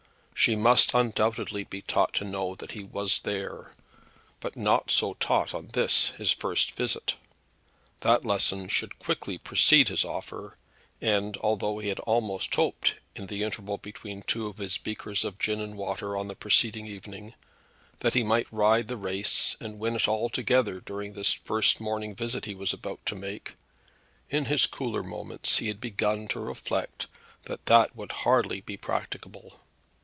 She must undoubtedly be taught to know that he was there, but not so taught on this, his first visit. That lesson should quickly precede his offer; and, although he had almost hoped in the interval between two of his beakers of gin and water on the preceding evening that he might ride the race and win it altogether during this very morning visit he was about to make, in his cooler moments he had begun to reflect that that would hardly be practicable.